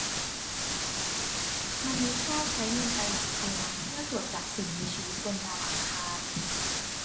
มนุษยชาติใช้เงินไปหลายพันล้านเพื่อตรวจจับสิ่งมีชีวิตบนดาวอังคาร